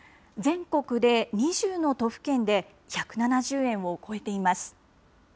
全国で２０の都府県で１７０円を超えています。